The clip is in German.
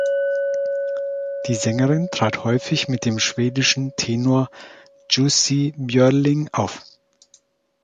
Die Sängerin trat häufig mit dem schwedischen Tenor Jussi Björling auf.